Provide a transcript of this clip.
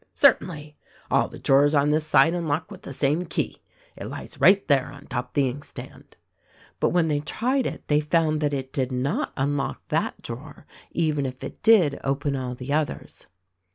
"Certainly ! All the drawers on this side unlock with the same key — it lies right there on top the inkstand." But when they tried it they found that it did not unlock that drawer, even if it did open all the others.